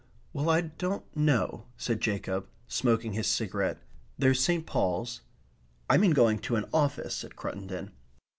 "Well, I don't know," said Jacob, smoking his cigarette. "There's St. Paul's." "I mean going to an office," said Cruttendon.